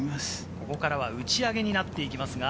ここからは打ち上げになっていきますが。